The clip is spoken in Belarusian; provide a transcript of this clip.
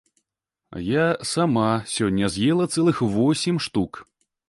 Я сама сёння з'ела цэлых восем штук!